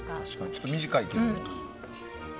ちょっと短いけど。